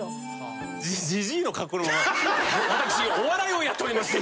「私お笑いをやっております。